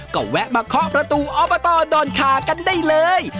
ก็แวะมาเคาะประตูอบตดอนคากันได้เลย